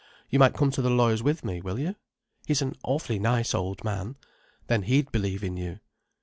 You might come to the lawyer's with me, will you? He's an awfully nice old man. Then he'd believe in you."